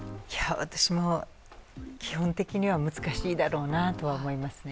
私も基本的には難しいだろうなとは思いますね。